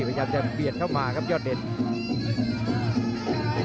พยายามจะเบียดเข้ามาครับยอดเดช